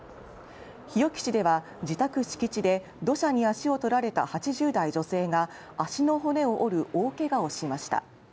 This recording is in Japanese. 日置市では自宅敷地で土砂に足を取られた８０代女性が足の骨を折る大けがをしました。